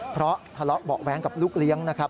เพราะทะเลาะเบาะแว้งกับลูกเลี้ยงนะครับ